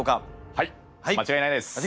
はい間違いないです。